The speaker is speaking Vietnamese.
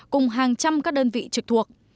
cùng hàng trăm các đơn vị trực thuộc